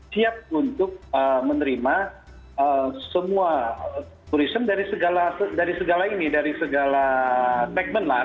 siap untuk menerima semua turisme dari segala ini dari segala segmen lah